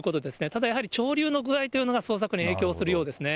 ただやはり、潮流の具合というのが、捜索に影響するようですね。